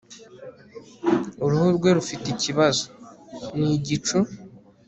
uruhu rwe rufite ikibazo , nigicu